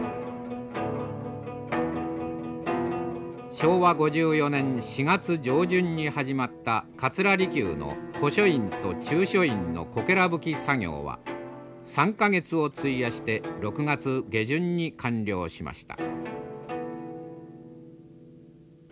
昭和５４年４月上旬に始まった桂離宮の古書院と中書院のこけら葺き作業は３か月を費やして６月下旬に完了しました。